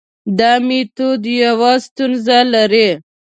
دا میتود یوه ستونزه لري.